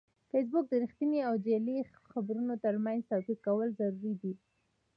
فېسبوک د رښتینې او جعلي خبرونو ترمنځ توپیر کول ضروري دي